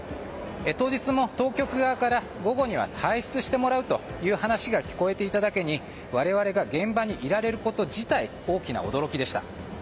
当日も、当局側から午後には退出してもらうという話が聞こえていただけに我々が現場にいられること自体大きな驚きでした。